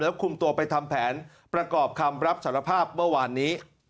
คุมตัวไปทำแผนประกอบคำรับสารภาพเมื่อวานนี้